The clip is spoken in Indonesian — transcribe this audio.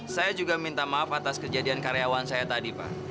saya juga minta maaf atas kejadian karyawan saya tadi pak